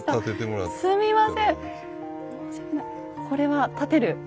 これは立てる。